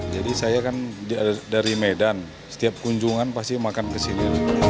jadi saya kan dari medan setiap kunjungan pasti makan kesini